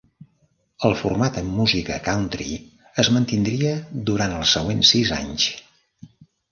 El format amb música "country" es mantindria durant els següents sis anys.